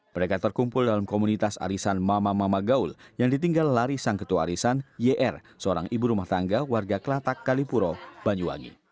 mereka terkumpul dalam komunitas arisan mama mama gaul yang ditinggal lari sang ketua arisan yr seorang ibu rumah tangga warga kelatak kalipuro banyuwangi